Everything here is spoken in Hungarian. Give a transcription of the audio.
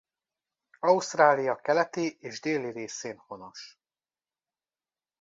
Ausztrália keleti és déli részén honos.